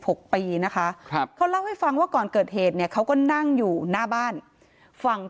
หกปีนะคะครับเขาเล่าให้ฟังว่าก่อนเกิดเหตุเนี่ยเขาก็นั่งอยู่หน้าบ้านฝั่ง